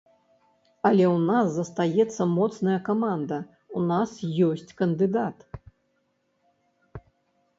Але ў нас застаецца моцная каманда, у нас ёсць кандыдат.